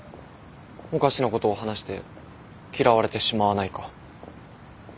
おかしなことを話して嫌われてしまわないか。